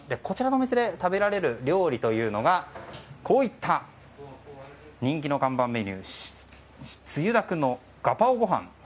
こちらのお店で食べられる料理というのがこういった人気の看板メニューつゆだくのガパオごはん